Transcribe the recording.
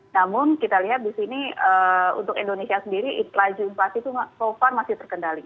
namun kita lihat di sini untuk indonesia sendiri laju inflasi itu so far masih terkendali